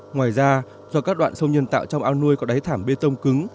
ngoài ra do các đoạn sông nhân tạo trong ao nuôi có đáy thảm bê tông cứng